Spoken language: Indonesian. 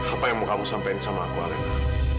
apa yang mau kamu sampein sama aku alena